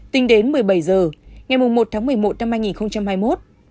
tính đến một mươi bảy h ngày một tháng một mươi một năm hai nghìn hai mươi một